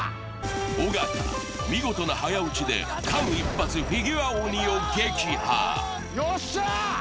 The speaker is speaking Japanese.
尾形見事な早撃ちで間一髪フィギュア鬼を撃破よっしゃあ！